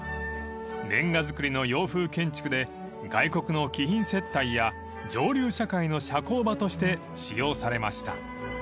［レンガ造りの洋風建築で外国の貴賓接待や上流社会の社交場として使用されました］